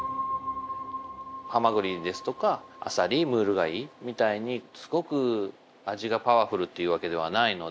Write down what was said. ハマグリですとかアサリムール貝みたいにすごく味がパワフルというわけではないので。